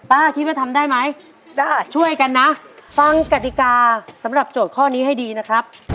ป้าคิดว่าทำได้ไหมป้าช่วยกันนะฟังกติกาสำหรับโจทย์ข้อนี้ให้ดีนะครับ